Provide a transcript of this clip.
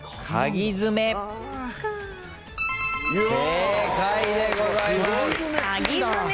正解でございます。